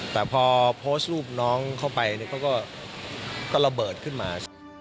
แต่พอโพสต์รูปน้องเข้าไปเขาก็ระเบิดขึ้นมา